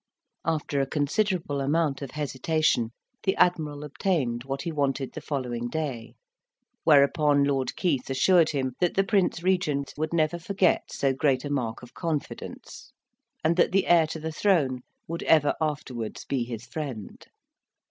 After a considerable amount of hesitation, the Admiral obtained what he wanted the following day; whereupon Lord Keith assured him that the Prince Regent would never forget so great a mark of confidence, and that the heir to the throne would ever afterwards be his friend.